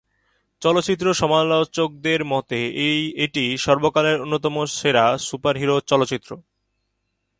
চলচ্চিত্র সমালোচকদের মতে এই এটি সর্বকালের অন্যতম সেরা সুপারহিরো চলচ্চিত্র।